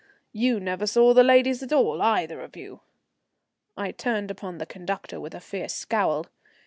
You never saw the ladies at all, either of you." I turned upon the conductor with a fierce scowl.